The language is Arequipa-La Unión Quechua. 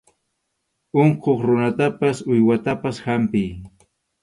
Unquq runatapas uywatapas hampiy.